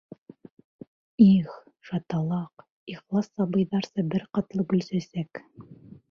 Их, шаталаҡ, ихлас, сабыйҙарса бер ҡатлы Гөлсәсәк!